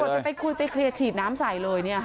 จะไปคุยไปเคลียร์ฉีดน้ำใส่เลย